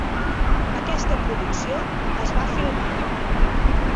Aquesta producció es va filmar.